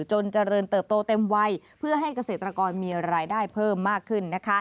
จนจะเริ่มเติบโตเต็มไวให้เกษตรกรมีรายได้เพิ่มมากขึ้น